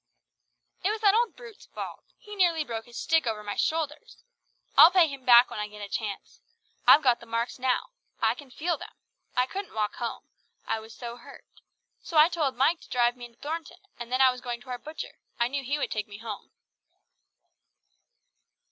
"It was that old brute's fault. He nearly broke his stick over my shoulders. I'll pay him back when I get a chance. I've got the marks now. I can feel them. I couldn't walk home, I was so hurt. So I told Mike to drive me into Thornton, and then I was going to our butcher, I knew he would take me home."